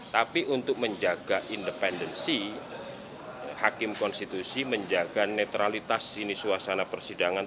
tapi untuk menjaga independensi hakim konstitusi menjaga netralitas ini suasana persidangan